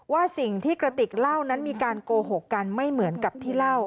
ว่าสิ่งที่กระติกเล่านั้นมีการโกหกกันไม่เหมือนกับที่เล่า